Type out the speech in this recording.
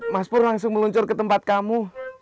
mas pur langsung meluncur ke tempat kamu